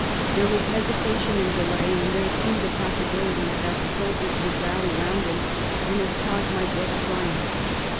There was hesitation and delay, and there seemed a possibility that the soldiers would rally round him and his cause might yet triumph.